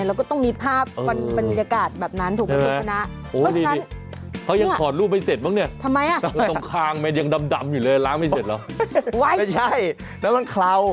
แล้วก็ต้องมีภาพบรรยากาศแบบนั้นถูกไหมคุณชนะ